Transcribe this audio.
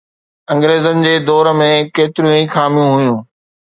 انگريزن جي دور ۾ ڪيتريون ئي خاميون هيون